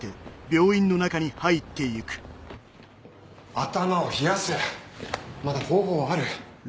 頭を冷やせまだ方法はある。